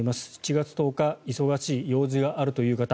７月１０日忙しい、用事があるという方